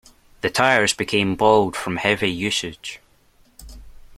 The tires became bald from heavy usage.